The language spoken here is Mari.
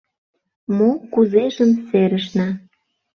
Мо-кузежым серышна.